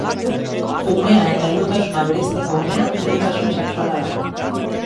Umea eta heldutasuna bereizteko unea heldutasun sexuala da.